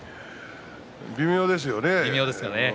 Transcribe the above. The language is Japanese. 微妙ですよね。